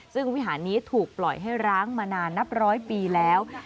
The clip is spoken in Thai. ซึ่งวิหารนี้ถูกปล่อยให้ร้างมานานนับร้อยปีแล้ว